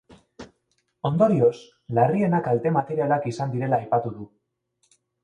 Ondorioz, larriena kalte materialak izan direla aipatu du.